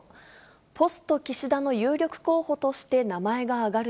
ポスト岸田の有力候補として名前が挙がる